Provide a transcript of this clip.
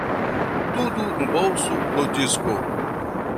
Tudo no bolso do disco